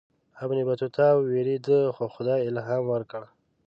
ابن بطوطه ووېرېدی خو خدای الهام ورکړ.